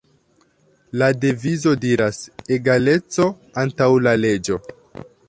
La devizo diras, "Egaleco Antaŭ La Leĝo.